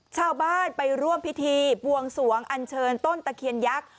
ชาวบ้านไปร่วมพิธีบวงสวงอันเชิญต้นตะเคียนยักษ์